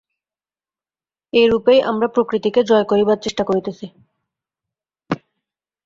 এইরূপেই আমরা প্রকৃতিকে জয় করিবার চেষ্টা করিতেছি।